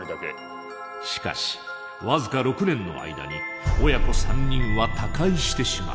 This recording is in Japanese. しかし僅か６年の間に親子３人は他界してしまう。